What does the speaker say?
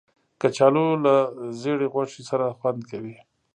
کچالو له زېړې غوښې سره خوند کوي